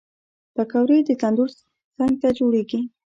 پکورې د تندور څنګ ته جوړېږي